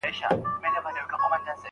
مقابل اړخ بي احساسه او احسان هيروونکی ګڼي.